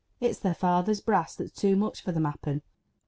It's their fathers' brass that's too much for them, happen !